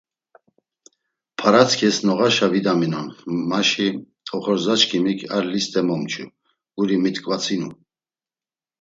P̆araskes noğaşa vidaminon maşi oxorcaçkimik ar liste momçu, guri mit̆k̆vatsu.